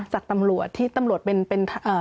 จากตำรวจที่ตำรวจเป็น